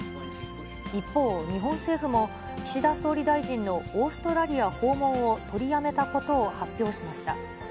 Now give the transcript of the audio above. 一方、日本政府も、岸田総理大臣のオーストラリア訪問を取りやめたことを発表しました。